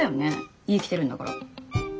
家来てるんだから。